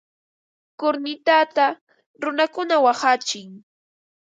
Kurnitata runakuna waqachin.